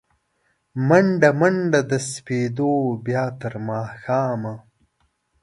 مڼډه، منډه د سپېدو، بیا تر ماښامه